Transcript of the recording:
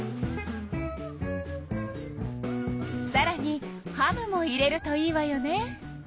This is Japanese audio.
さらにハムも入れるといいわよね。